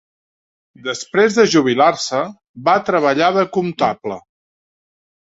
Després de jubilar-se, va treballar de comptable.